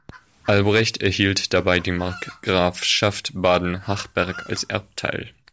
Albrecht erhielt dabei die Markgrafschaft Baden-Hachberg als Erbteil.